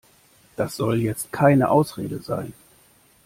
Das soll jetzt keine Ausrede sein.